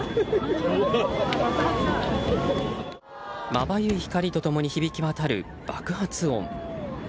まばゆい光と共に響き渡る爆発音。